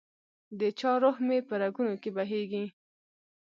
دچا روح مي په رګونو کي بهیږي